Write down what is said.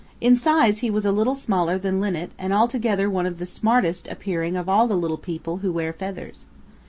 In size he was a little smaller than Linnet and altogether one of the smartest appearing of all the little people who wear feathers.